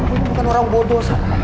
aku ini bukan orang bodoh sarah